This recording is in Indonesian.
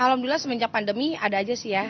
alhamdulillah semenjak pandemi ada aja sih ya